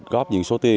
góp những số tiền